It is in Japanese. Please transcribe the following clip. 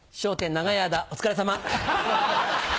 長い間お疲れさま。